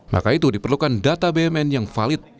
maka itu diperlukan data bmn yang valid